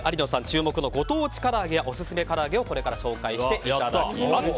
注目のご当地から揚げやオススメから揚げをこれから紹介していただきます。